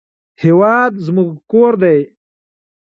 هېواد زموږ کور دی